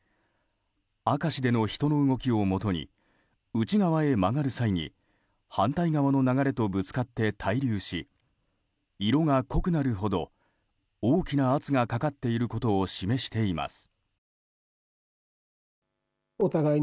明石での人の動きをもとに内側へ曲がる際に反対側の流れとぶつかって滞留し色が濃くなるほど大きな圧がかかっていることを示しています。